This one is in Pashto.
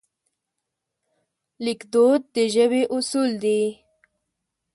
لیکدود د ژبې اصول دي.